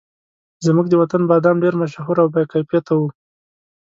زموږ د وطن بادام ډېر مشهور او باکیفیته وو.